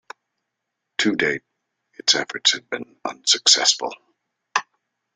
To date, its efforts have been unsuccessful.